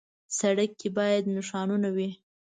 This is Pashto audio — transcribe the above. سړک کې باید نښانونه وي.